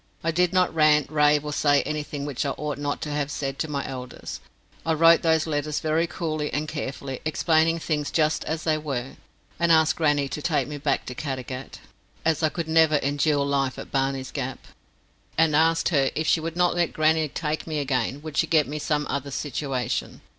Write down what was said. I did not rant, rave, or say anything which I ought not to have said to my elders. I wrote those letters very coolly and carefully, explaining things just as they were, and asked grannie to take me back to Caddagat, as I could never endure life at Barney's Gap. I told my mother I had written thus, and asked her if she would not let grannie take me again, would she get me some other situation?